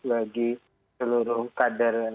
bagi seluruh kaderan ini